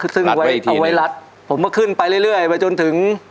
คือเบลท์คือเอาไว้รัดผมก็ขึ้นไปเรื่อยไปจนถึง